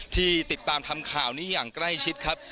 ที่ติดตามทำข่าวนี้อย่างใกล้ชิดครับ